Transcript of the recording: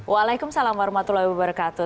waalaikumsalam warahmatullahi wabarakatuh